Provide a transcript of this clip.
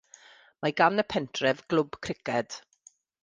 Mae gan y pentref glwb criced.